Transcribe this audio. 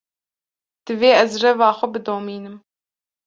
Divê ez reva xwe bidomînim.